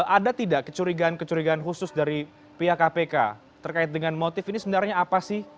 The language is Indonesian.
ada tidak kecurigaan kecurigaan khusus dari pihak kpk terkait dengan motif ini sebenarnya apa sih